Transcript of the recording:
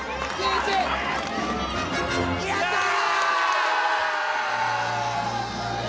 やったー！